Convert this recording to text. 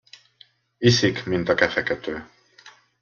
Iszik, mint a kefekötő.